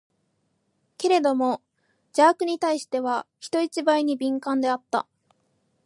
けれども邪悪に対しては、人一倍に敏感であった。